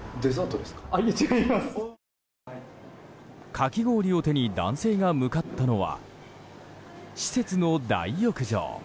かき氷を手に男性が向かったのは施設の大浴場。